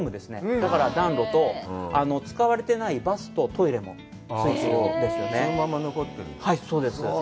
だから、暖炉と、使われてないバスとトイレもついてるんですよね。